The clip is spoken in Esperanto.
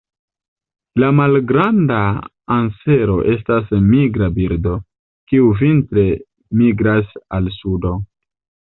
La Malgranda ansero estas migra birdo, kiu vintre migras al sudo.